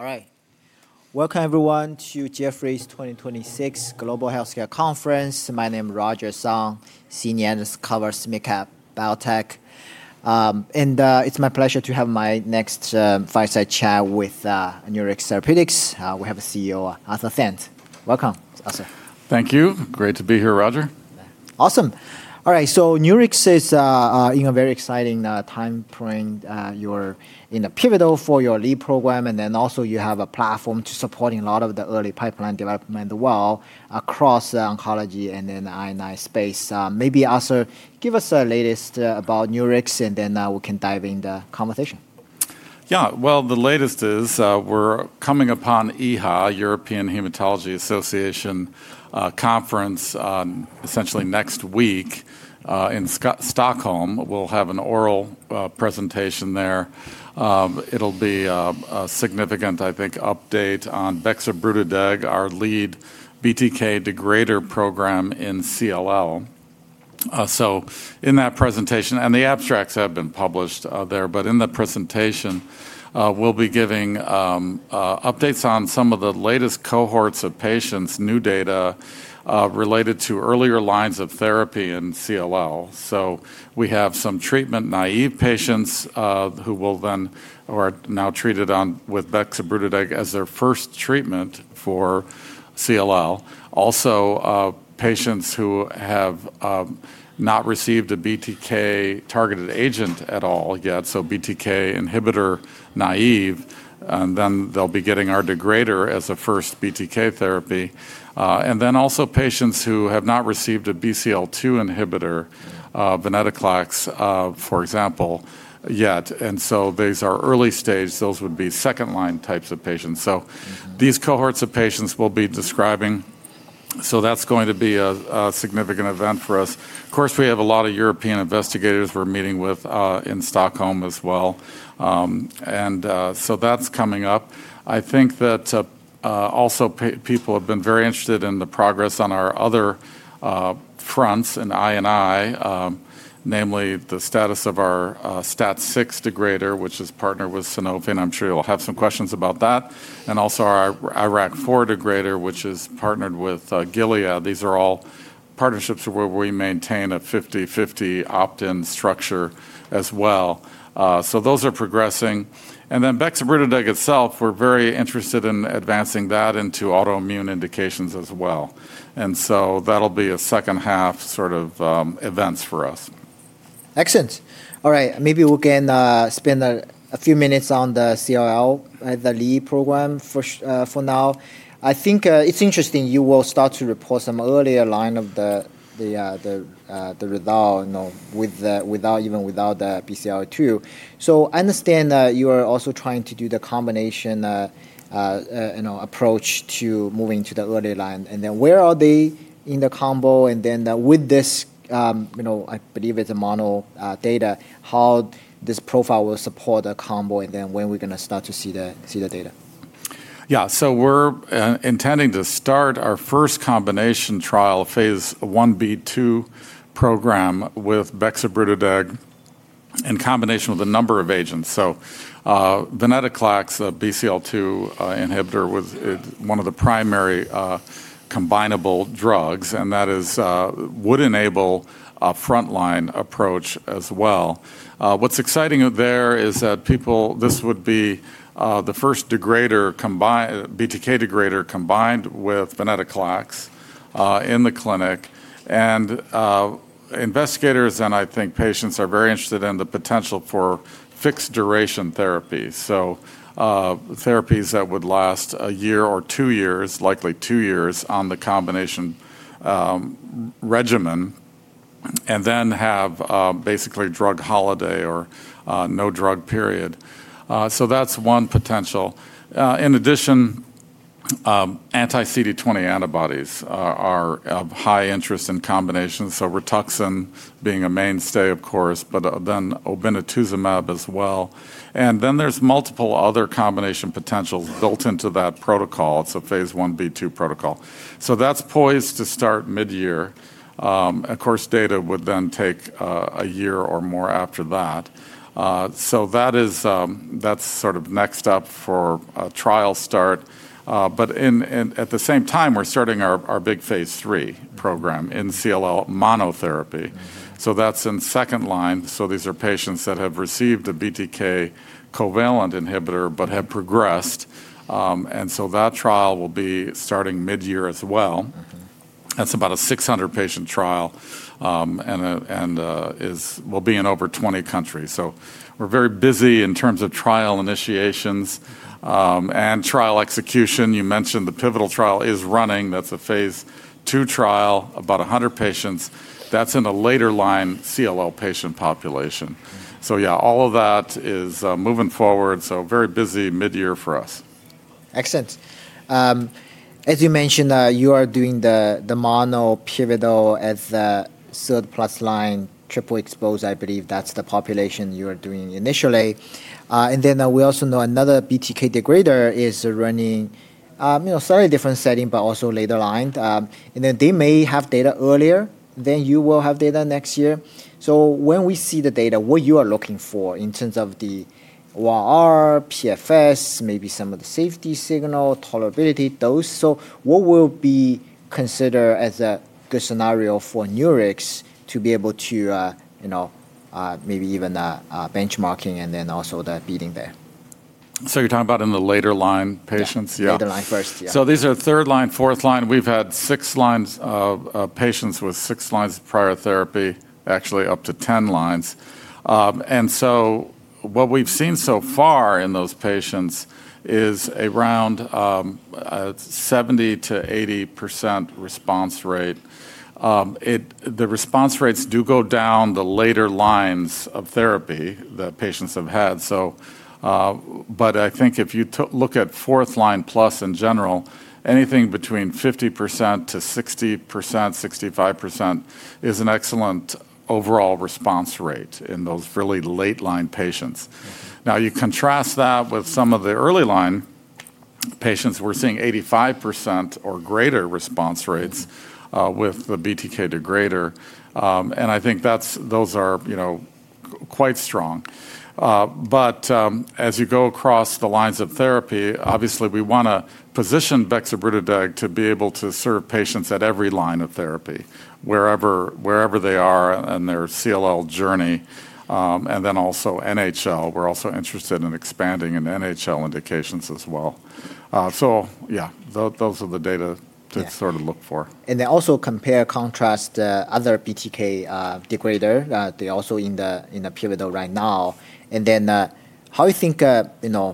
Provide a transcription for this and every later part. All right. Welcome, everyone, to Jefferies 2026 Global Healthcare Conference. My name is Roger Song, senior analyst covers mid-cap biotech. It's my pleasure to have my next fireside chat with Nurix Therapeutics. We have CEO Arthur Sands. Welcome, Arthur. Thank you. Great to be here, Roger. Awesome. All right. Nurix is in a very exciting time frame. You're in a pivotal for your lead program, also you have a platform to supporting a lot of the early pipeline development well across the oncology and in I&I space. Maybe, Arthur, give us the latest about Nurix, we can dive in the conversation. Well, the latest is we're coming upon EHA, European Hematology Association conference, essentially next week in Stockholm. We'll have an oral presentation there. It'll be a significant, I think, update on bexobrutideg, our lead BTK degrader program in CLL. In that presentation, the abstracts have been published there, in the presentation, we'll be giving updates on some of the latest cohorts of patients, new data related to earlier lines of therapy in CLL. We have some treatment-naive patients who are now treated with bexobrutideg as their first treatment for CLL. Also, patients who have not received a BTK-targeted agent at all yet, so BTK inhibitor naive, and then they'll be getting our degrader as a first BTK therapy. Also patients who have not received a BCL2 inhibitor, venetoclax, for example, yet. These are early stage. Those would be second-line types of patients. These cohorts of patients we'll be describing, that's going to be a significant event for us. Of course, we have a lot of European investigators we're meeting with in Stockholm as well. That's coming up. I think that also people have been very interested in the progress on our other fronts in I&I, namely the status of our STAT6 degrader, which is partnered with Sanofi, and I'm sure you'll have some questions about that. Also our IRAK4 degrader, which is partnered with Gilead. These are all partnerships where we maintain a 50/50 opt-in structure as well. Those are progressing. Bexobrutideg itself, we're very interested in advancing that into autoimmune indications as well. That'll be a second-half sort of events for us. Excellent. All right. Maybe we can spend a few minutes on the CLL, the lead program for now. I think it's interesting you will start to report some earlier line of the result even without the BCL2. I understand that you are also trying to do the combination approach to moving to the early line. Where are they in the combo, with this, I believe it's a mono data, how this profile will support the combo, when we're going to start to see the data? We're intending to start our first combination trial phase I-B/II program with bexobrutideg in combination with a number of agents. Venetoclax, a BCL2 inhibitor, was one of the primary combinable drugs, that would enable a frontline approach as well. What's exciting there is that this would be the first BTK degrader combined with venetoclax in the clinic. Investigators and I think patients are very interested in the potential for fixed-duration therapy. Therapies that would last a year or two years, likely two years, on the combination regimen, have basically a drug holiday or no drug period. That's one potential. In addition, anti-CD20 antibodies are of high interest in combination. Rituxan being a mainstay, of course, obinutuzumab as well. There's multiple other combination potentials built into that protocol. It's a phase I-B/II protocol. That's poised to start mid-year. Of course, data would then take a year or more after that. That's sort of next up for a trial start. At the same time, we're starting our big phase III program in CLL monotherapy. That's in second line. These are patients that have received a BTK covalent inhibitor but have progressed. That trial will be starting mid-year as well. That's about a 600-patient trial, will be in over 20 countries. We're very busy in terms of trial initiations and trial execution. You mentioned the pivotal trial is running. That's a phase II trial, about 100 patients. That's in a later-line CLL patient population. Yeah, all of that is moving forward, so very busy mid-year for us. Excellent. As you mentioned, you are doing the mono pivotal as the third plus line, triple-exposed, I believe that's the population you are doing initially. We also know another BTK degrader is running, slightly different setting, but also later line. They may have data earlier, then you will have data next year. When we see the data, what you are looking for in terms of the ORR, PFS, maybe some of the safety signal, tolerability, those. What will be considered as a good scenario for Nurix to be able to maybe even benchmarking and then also the beating there? You're talking about in the later-line patients? Yeah. Yeah. Later-line first, yeah. These are third-line, fourth-line. We've had patients with six lines of prior therapy, actually up to 10 lines. What we've seen so far in those patients is around a 70%-80% response rate. The response rates do go down the later lines of therapy that patients have had. I think if you look at fourth-line plus in general, anything between 50%-60%, 65% is an excellent overall response rate in those fairly late-line patients. You contrast that with some of the early line patients, we're seeing 85% or greater response rates with the BTK degrader. I think those are quite strong. As you go across the lines of therapy, obviously we want to position bexobrutideg to be able to serve patients at every line of therapy, wherever they are in their CLL journey. Then also NHL, we're also interested in expanding in NHL indications as well. Yeah, those are the data to look for. Also compare and contrast the other BTK degrader. They're also in the pivotal right now. How you think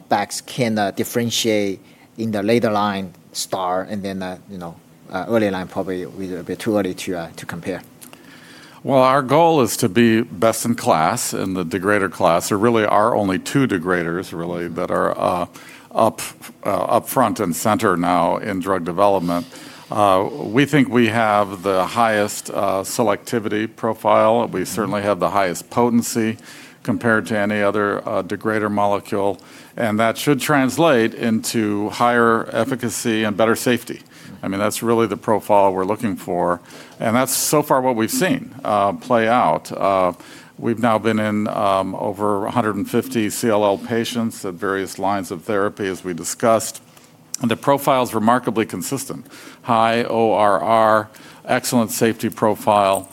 bex can differentiate in the later line star and then early line probably will be a bit too early to compare? Well, our goal is to be best in class in the degrader class. There really are only two degraders really that are up front and center now in drug development. We think we have the highest selectivity profile. We certainly have the highest potency compared to any other degrader molecule, and that should translate into higher efficacy and better safety. That's really the profile we're looking for, and that's so far what we've seen play out. We've now been in over 150 CLL patients at various lines of therapy, as we discussed. The profile is remarkably consistent. High ORR, excellent safety profile,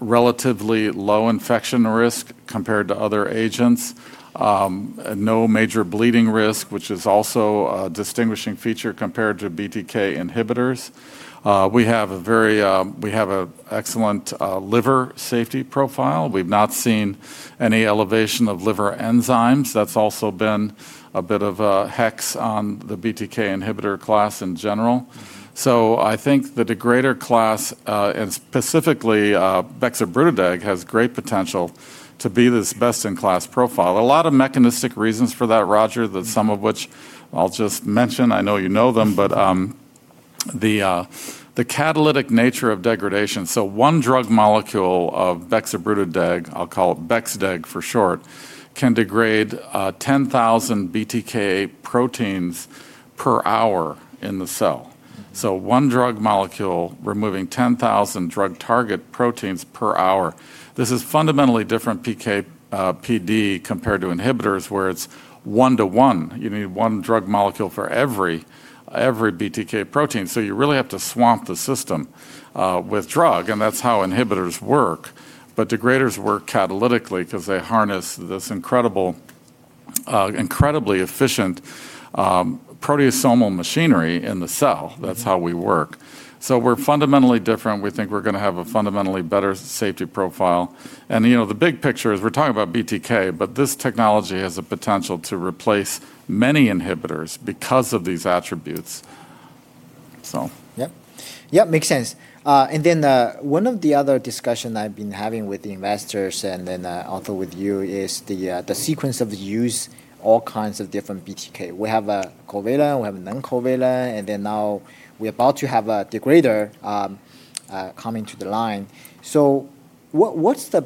relatively low infection risk compared to other agents, no major bleeding risk, which is also a distinguishing feature compared to BTK inhibitors. We have an excellent liver safety profile. We've not seen any elevation of liver enzymes. That's also been a bit of a hex on the BTK inhibitor class in general. I think the degrader class, and specifically bexobrutideg, has great potential to be this best-in-class profile. A lot of mechanistic reasons for that, Roger, some of which I'll just mention. I know you know them, the catalytic nature of degradation. One drug molecule of bexobrutideg, I'll call it bex-deg for short, can degrade 10,000 BTK proteins per hour in the cell. One drug molecule removing 10,000 drug target proteins per hour. This is fundamentally different PK/PD compared to inhibitors, where it's one to one. You need one drug molecule for every BTK protein. You really have to swamp the system with drug, and that's how inhibitors work. Degraders work catalytically because they harness this incredibly efficient proteasomal machinery in the cell. That's how we work. We're fundamentally different. We think we're going to have a fundamentally better safety profile. The big picture is we're talking about BTK, but this technology has the potential to replace many inhibitors because of these attributes. Yep. Makes sense. One of the other discussion I've been having with the investors and then also with you is the sequence of use all kinds of different BTK. We have a covalent, we have a non-covalent, and then now we're about to have a degrader coming to the line. What's the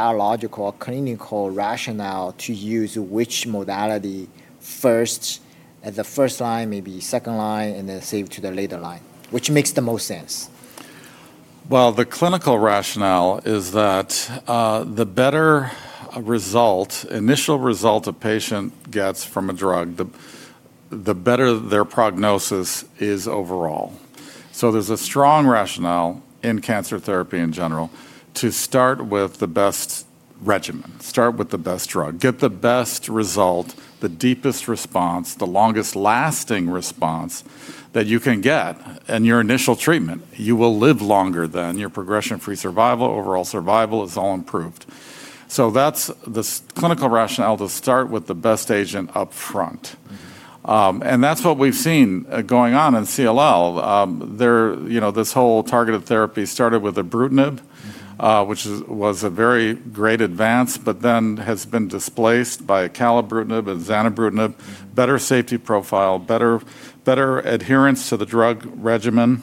biological or clinical rationale to use which modality first at the first line, maybe second line, and then save to the later line? Which makes the most sense? Well, the clinical rationale is that the better initial result a patient gets from a drug, the better their prognosis is overall. There's a strong rationale in cancer therapy in general to start with the best regimen, start with the best drug, get the best result, the deepest response, the longest lasting response that you can get in your initial treatment. You will live longer than your progression-free survival. Overall survival is all improved. That's the clinical rationale to start with the best agent up front. That's what we've seen going on in CLL. This whole targeted therapy started with ibrutinib, which was a very great advance, but then has been displaced by acalabrutinib and zanubrutinib. Better safety profile, better adherence to the drug regimen,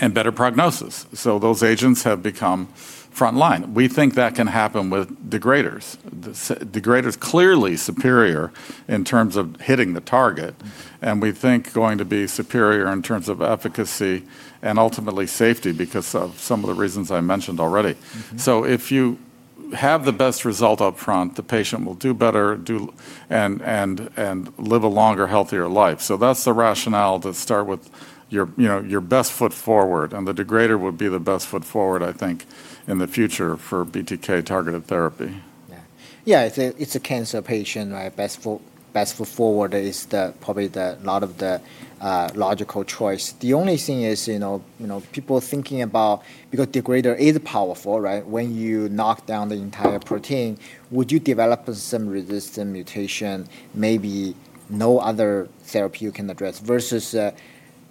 and better prognosis. Those agents have become frontline. We think that can happen with degraders. Degrader is clearly superior in terms of hitting the target, and we think going to be superior in terms of efficacy and ultimately safety because of some of the reasons I mentioned already. If you have the best result up front, the patient will do better and live a longer, healthier life. That's the rationale to start with your best foot forward, and the degrader would be the best foot forward, I think, in the future for BTK-targeted therapy. Yeah, it's a cancer patient, right? Best for forward is probably not the logical choice. The only thing is, degrader is powerful, right? When you knock down the entire protein, would you develop some resistant mutation? Maybe no other therapy you can address versus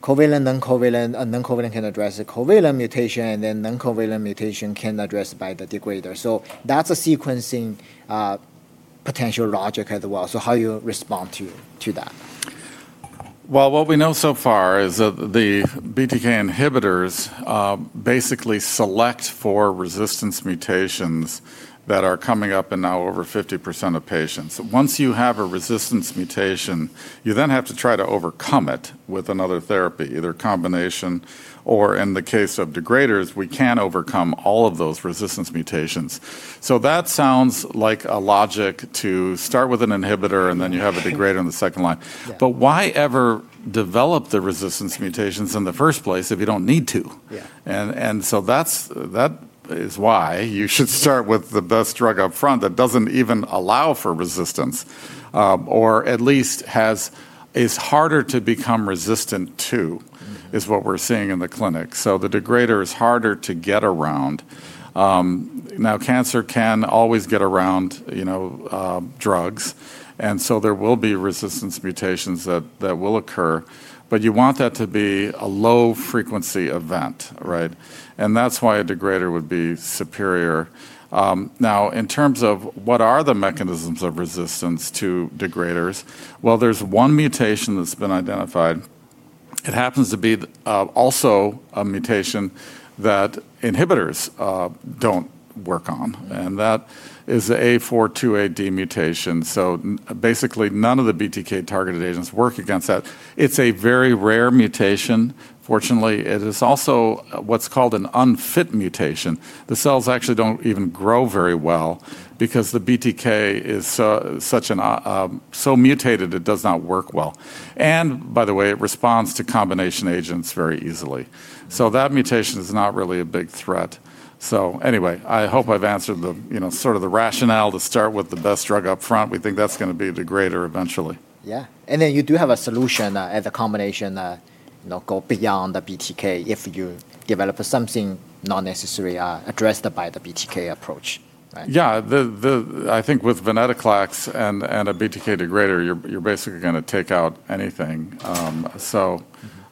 covalent, non-covalent. A non-covalent can address a covalent mutation, non-covalent mutation can address by the degrader. That's a sequencing potential logic as well. How you respond to that? Well, what we know so far is that the BTK inhibitors basically select for resistance mutations that are coming up in now over 50% of patients. Once you have a resistance mutation, you then have to try to overcome it with another therapy, either combination or in the case of degraders, we can overcome all of those resistance mutations. That sounds like a logic to start with an inhibitor, and then you have a degrader in the second line. Yeah. Why ever develop the resistance mutations in the first place if you don't need to? Yeah. That is why you should start with the best drug up front that doesn't even allow for resistance. Or at least is harder to become resistant to, is what we're seeing in the clinic. The degrader is harder to get around. Cancer can always get around drugs, and so there will be resistance mutations that will occur, but you want that to be a low-frequency event, right? That's why a degrader would be superior. In terms of what are the mechanisms of resistance to degraders, well, there's one mutation that's been identified. It happens to be also a mutation that inhibitors don't work on, and that is the A428D mutation. Basically, none of the BTK-targeted agents work against that. It's a very rare mutation. Fortunately, it is also what's called an unfit mutation. The cells actually don't even grow very well because the BTK is so mutated it does not work well. By the way, it responds to combination agents very easily. That mutation is not really a big threat. Anyway, I hope I've answered the rationale to start with the best drug up front. We think that's going to be a degrader eventually. Yeah. Then you do have a solution as a combination go beyond the BTK if you develop something not necessarily addressed by the BTK approach, right? Yeah. I think with venetoclax and a BTK degrader, you're basically going to take out anything.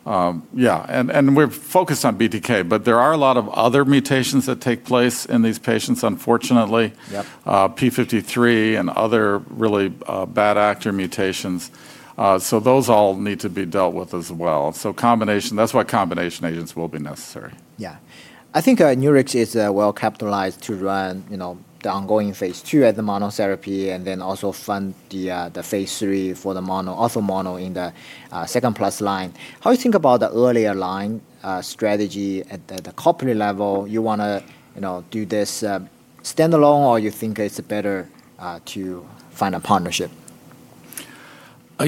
Yeah. We're focused on BTK, but there are a lot of other mutations that take place in these patients, unfortunately. Yep. P53 and other really bad actor mutations. Those all need to be dealt with as well. That's why combination agents will be necessary. I think Nurix is well-capitalized to run the ongoing phase II as the monotherapy and then also fund the phase III for the mono, also mono in the second-plus line. How do you think about the earlier line strategy at the company level? You want to do this standalone, or you think it's better to find a partnership? I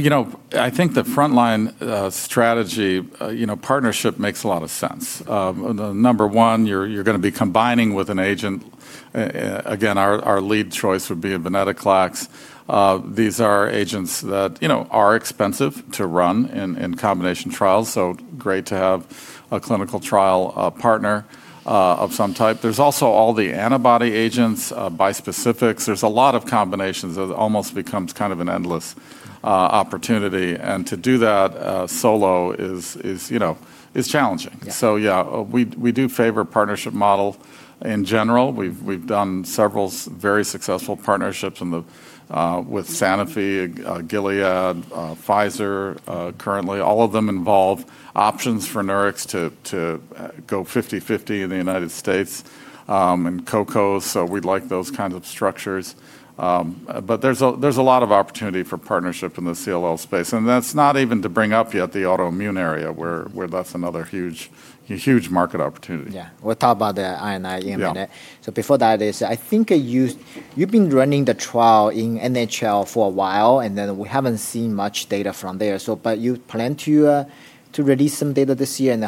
think the frontline strategy, partnership makes a lot of sense. Number one, you're going to be combining with an agent. Again, our lead choice would be venetoclax. These are agents that are expensive to run in combination trials, so great to have a clinical trial partner of some type. There's also all the antibody agents, bispecifics. There's a lot of combinations. It almost becomes kind of an endless opportunity. To do that solo is challenging. Yeah. Yeah, we do favor partnership model in general. We've done several very successful partnerships with Sanofi, Gilead, Pfizer. Currently, all of them involve options for Nurix to go 50/50 in the United States, and co-co. We like those kinds of structures. There's a lot of opportunity for partnership in the CLL space, and that's not even to bring up yet the autoimmune area, where that's another huge market opportunity. Yeah. We'll talk about the I&I in a minute. Yeah. Before that is, I think you've been running the trial in NHL for a while, and then we haven't seen much data from there. You plan to release some data this year, and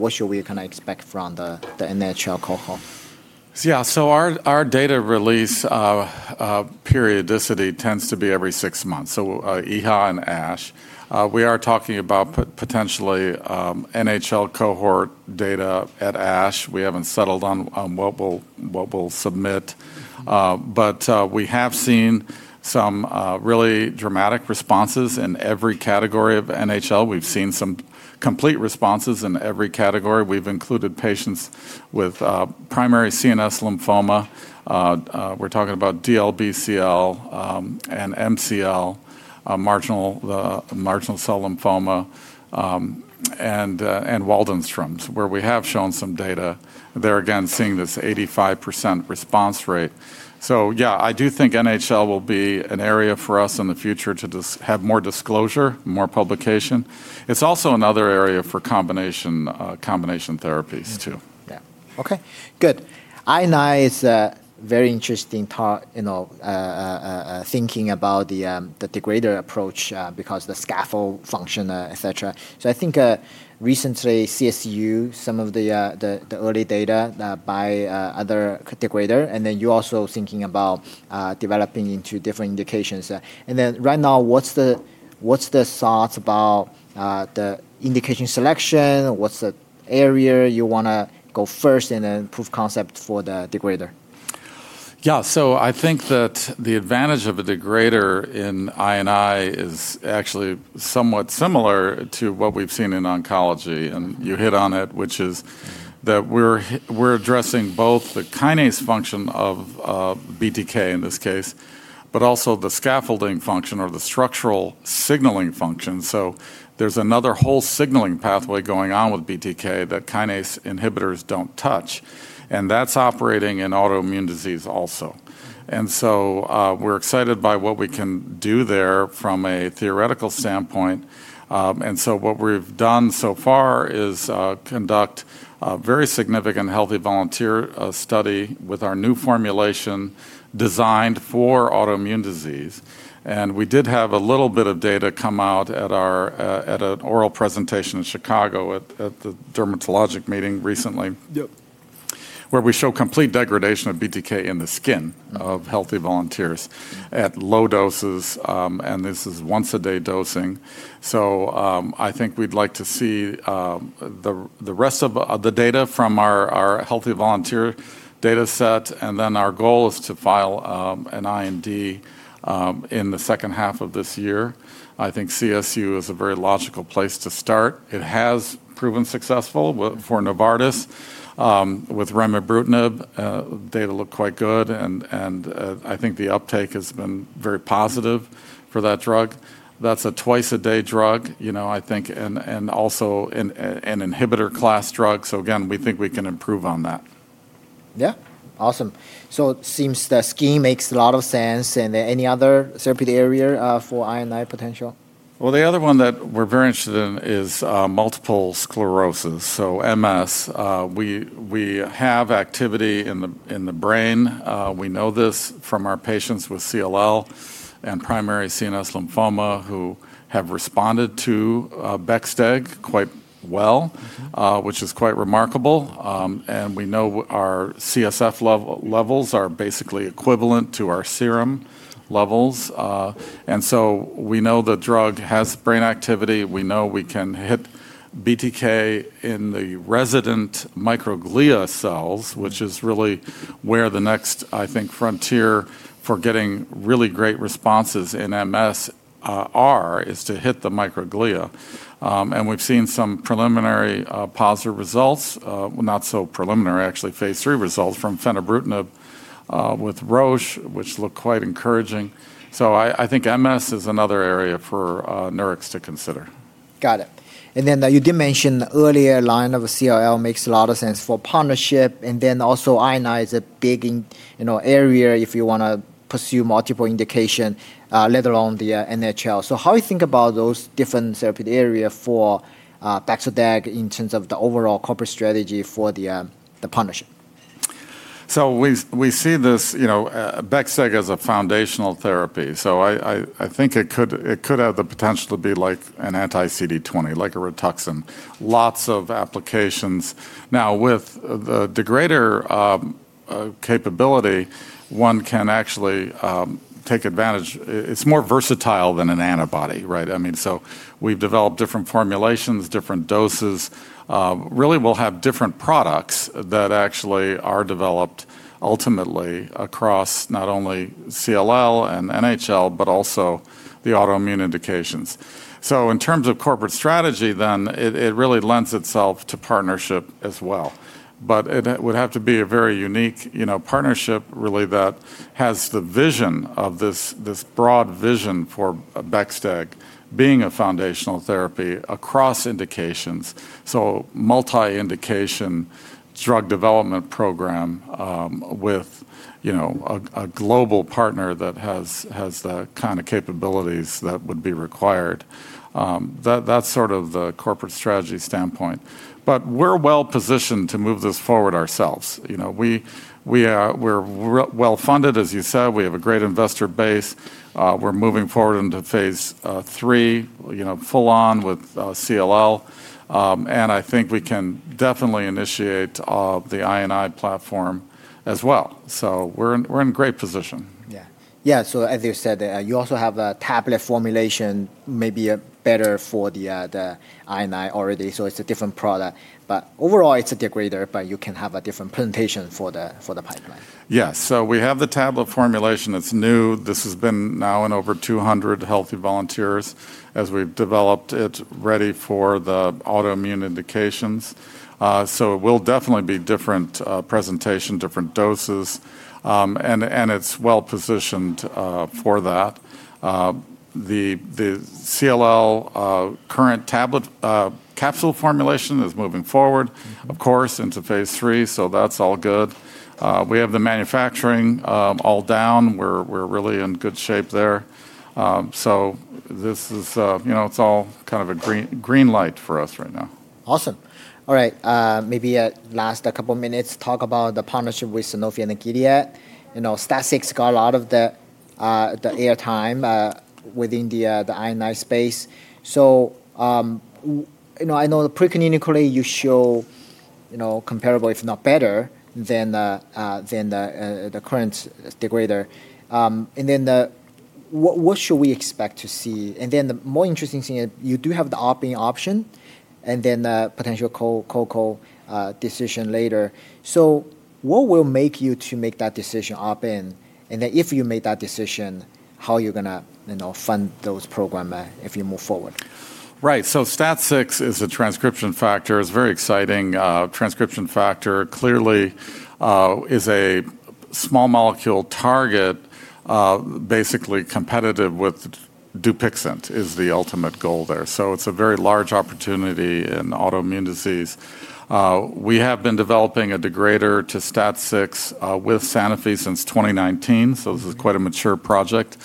what should we kind of expect from the NHL cohort? Our data release periodicity tends to be every six months, EHA and ASH. We are talking about potentially NHL cohort data at ASH. We haven't settled on what we'll submit. We have seen some really dramatic responses in every category of NHL. We've seen some complete responses in every category. We've included patients with primary CNS lymphoma. We're talking about DLBCL, and MCL, mantle cell lymphoma, and Waldenstrom's, where we have shown some data. There again, seeing this 85% response rate. I do think NHL will be an area for us in the future to have more disclosure, more publication. It's also another area for combination therapies too. Yeah. Okay, good. I&I is a very interesting thinking about the degrader approach because the scaffold function, et cetera. I think recently, CSU, some of the early data by other degrader, you're also thinking about developing into different indications. Right now, what's the thought about the indication selection? What's the area you want to go first and then proof concept for the degrader? I think that the advantage of a degrader in I&I is actually somewhat similar to what we've seen in oncology. You hit on it, which is that we're addressing both the kinase function of BTK in this case, but also the scaffolding function or the structural signaling function. There's another whole signaling pathway going on with BTK that kinase inhibitors don't touch, and that's operating in autoimmune disease also. We're excited by what we can do there from a theoretical standpoint. What we've done so far is conduct a very significant healthy volunteer study with our new formulation designed for autoimmune disease. We did have a little bit of data come out at an oral presentation in Chicago at the dermatologic meeting recently. Yep. Where we show complete degradation of BTK in the skin of healthy volunteers at low doses, and this is once-a-day dosing. I think we'd like to see the rest of the data from our healthy volunteer data set, and then our goal is to file an IND in the second half of this year. I think CSU is a very logical place to start. It has proven successful for Novartis, with remibrutinib. Data looked quite good, and I think the uptake has been very positive for that drug. That's a twice-a-day drug, I think, and also an inhibitor class drug. Again, we think we can improve on that. Yeah. Awesome. It seems the scheme makes a lot of sense. Any other therapy area for I&I potential? Well, the other one that we're very interested in is multiple sclerosis, so MS. We have activity in the brain. We know this from our patients with CLL and primary CNS lymphoma who have responded to bex-deg quite well, which is quite remarkable. We know our CSF levels are basically equivalent to our serum levels. We know the drug has brain activity. We know we can hit BTK in the resident microglia cells, which is really where the next, I think, frontier for getting really great responses in MS are, is to hit the microglia. We've seen some preliminary positive results. Well, not so preliminary, actually. phase III results from fenebrutinib with Roche, which look quite encouraging. I think MS is another area for Nurix to consider. Got it. You did mention earlier line of CLL makes a lot of sense for partnership, then also I&I is a big area if you want to pursue multiple indication later on the NHL. How you think about those different therapy area for bex-deg in terms of the overall corporate strategy for the partnership? We see this bex-deg as a foundational therapy. I think it could have the potential to be like an anti-CD20, like a rituxan. Lots of applications. Now, with the degrader capability, one can actually take advantage. It's more versatile than an antibody, right? We've developed different formulations, different doses. Really, we'll have different products that actually are developed ultimately across not only CLL and NHL, but also the autoimmune indications. In terms of corporate strategy, it really lends itself to partnership as well. It would have to be a very unique partnership, really, that has the vision of this broad vision for bex-deg being a foundational therapy across indications. Multi-indication drug development program, with a global partner that has the kind of capabilities that would be required. That's sort of the corporate strategy standpoint. We're well positioned to move this forward ourselves. We're well-funded, as you said. We have a great investor base. We're moving forward into phase III, full on with CLL. I think we can definitely initiate the I&I platform as well. We're in great position. Yeah. As you said, you also have a tablet formulation, maybe better for the I&I already. It's a different product, but overall, it's a degrader, but you can have a different presentation for the pipeline. Yeah. We have the tablet formulation that's new. This has been now in over 200 healthy volunteers as we've developed it, ready for the autoimmune indications. It will definitely be different presentation, different doses. It's well-positioned for that. The CLL current tablet capsule formulation is moving forward, of course, into phase III, so that's all good. We have the manufacturing all down. We're really in good shape there. It's all kind of a green light for us right now. Awesome. All right. Maybe last couple minutes, talk about the partnership with Sanofi and Akidea. STAT6 got a lot of The air time within the I&I space. I know preclinically, you show comparable, if not better, than the current degrader. What should we expect to see? The more interesting thing is you do have the opt-in option, and then the potential co-co decision later. What will make you to make that decision opt-in? If you make that decision, how are you going to fund those program if you move forward? Right. STAT6 is a transcription factor, it's very exciting. Transcription factor clearly is a small molecule target, basically competitive with DUPIXENT is the ultimate goal there. It's a very large opportunity in autoimmune disease. We have been developing a degrader to STAT6 with Sanofi since 2019, so this is quite a mature project.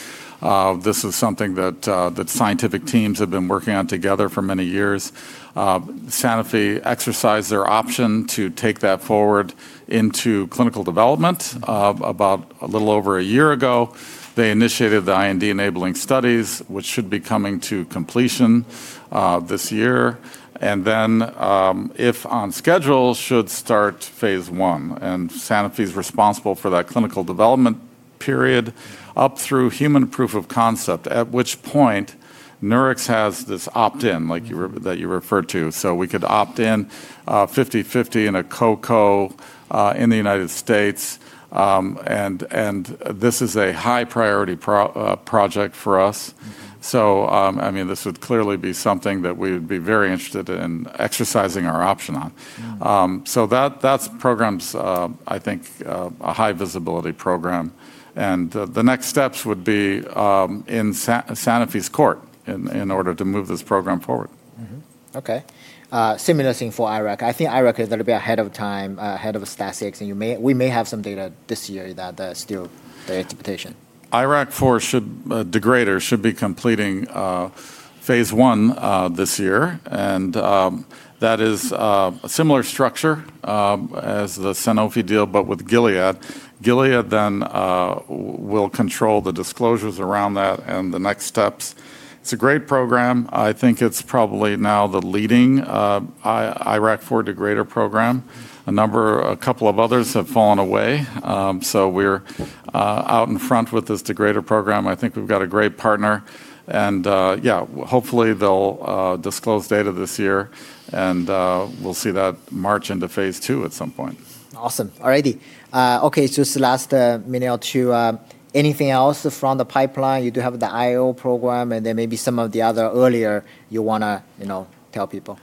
This is something that scientific teams have been working on together for many years. Sanofi exercised their option to take that forward into clinical development about a little over a year ago. They initiated the IND-enabling studies, which should be coming to completion this year. If on schedule, should start phase I, and Sanofi's responsible for that clinical development period up through human proof of concept. At which point, Nurix has this opt-in that you referred to, so we could opt-in 50/50 in a co-co in the U.S. This is a high priority project for us, so this would clearly be something that we would be very interested in exercising our option on. That program's, I think, a high visibility program, and the next steps would be in Sanofi's court in order to move this program forward. Okay. Similar thing for IRAK. I think IRAK is little bit ahead of time, ahead of STAT6, and we may have some data this year that still the interpretation. IRAK4 degrader should be completing phase I this year, and that is a similar structure as the Sanofi deal, but with Gilead. Gilead will control the disclosures around that and the next steps. It's a great program. I think it's probably now the leading IRAK4 degrader program. A couple of others have fallen away. We're out in front with this degrader program. I think we've got a great partner. Hopefully they'll disclose data this year, and we'll see that march into phase II at some point. Awesome. All righty. It's the last minute or two. Anything else from the pipeline? You do have the IO program and then maybe some of the other earlier you want to tell people.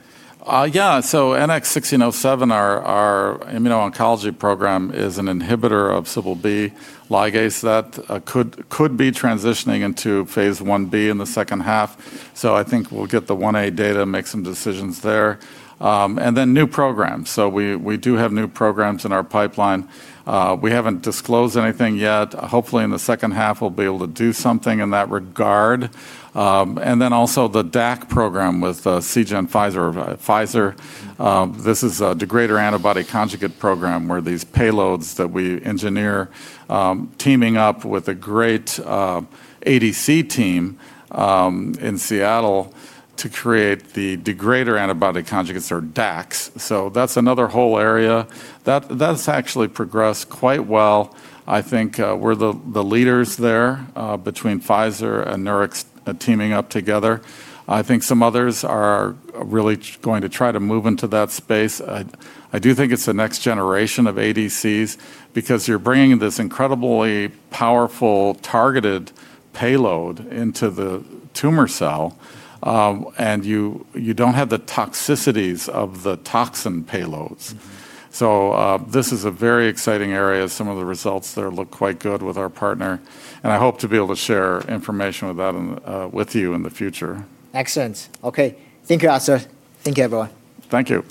Yeah. NX-1607, our immuno-oncology program, is an inhibitor of Cbl-b ligase that could be transitioning into phase I-B in the second half. I think we'll get the phase I-A data, make some decisions there. New programs, we do have new programs in our pipeline. Hopefully, in the second half we'll be able to do something in that regard. Also the DAC program with Seagen Pfizer. This is a degrader antibody conjugate program, where these payloads that we engineer, teaming up with a great ADC team in Seattle to create the degrader antibody conjugates, or DACs. That's another whole area. That's actually progressed quite well. I think we're the leaders there between Pfizer and Nurix teaming up together. I think some others are really going to try to move into that space. I do think it's the next generation of ADCs, because you're bringing this incredibly powerful, targeted payload into the tumor cell, and you don't have the toxicities of the toxin payloads. This is a very exciting area. Some of the results there look quite good with our partner, and I hope to be able to share information with you in the future. Excellent. Okay. Thank you, Arthur. Thank you, everyone. Thank you.